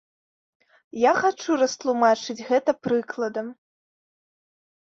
Я хачу растлумачыць гэта прыкладам.